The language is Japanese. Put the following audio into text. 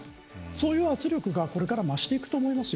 そういう圧力がこれから増していくと思います。